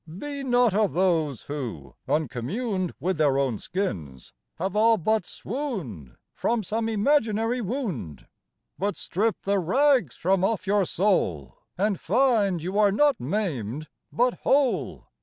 Be not of those who, uncommuned With their own skins, have all but swooned From some imaginary wound, But strip the rags from off your soul And find you are not maimed, but whole!